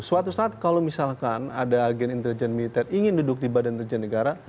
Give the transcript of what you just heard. suatu saat kalau misalkan ada agen intelijen militer ingin duduk di badan intelijen negara